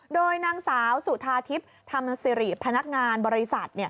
โดยนางสาวสุธาทิพย์ธรรมสิริพนักงานบริษัท